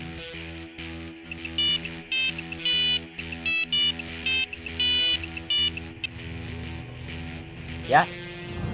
jadi si jamal mau kembali ke rumah